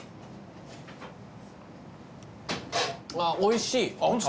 あっおいしい。